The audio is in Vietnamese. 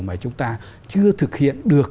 mà chúng ta chưa thực hiện được